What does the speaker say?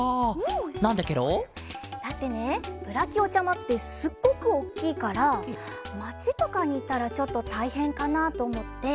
なんでケロ？だってねブラキオちゃまってすっごくおっきいからまちとかにいたらちょっとたいへんかなとおもって